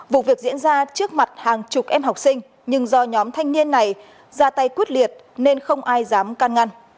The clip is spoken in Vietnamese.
vụ việc diễn ra trước mặt hàng chục em học sinh nhưng do nhóm thanh niên này ra tay quyết liệt nên không ai dám can ngăn